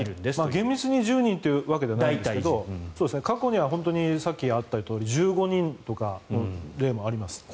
厳密に１０人というわけではないですけど過去には本当にさっきあったとおり１５人という例もあります。